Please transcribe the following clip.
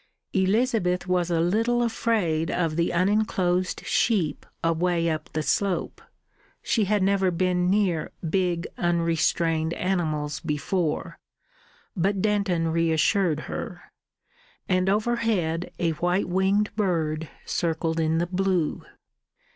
Elizabeth was a little afraid of the unenclosed sheep away up the slope she had never been near big unrestrained animals before but Denton reassured her. And overhead a white winged bird circled in the blue.